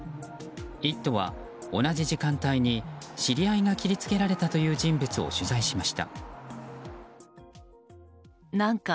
「イット！」は同じ時間帯に知り合いが切りつけられたという人物に取材しました。